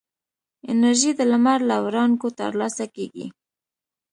انرژي د لمر له وړانګو ترلاسه کېږي.